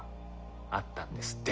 あったんですって。